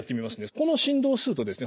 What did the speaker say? この振動数とですね